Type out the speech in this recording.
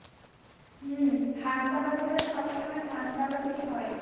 হুম, ধান্দাবাজেরা সবসময় ধান্দাবাজই হয়!